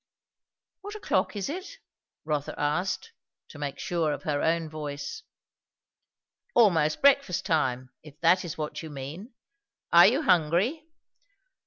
"What o'clock is it?" Rotha asked, to make sure of her own voice. "Almost breakfast time, if that is what you mean. Are you hungry?"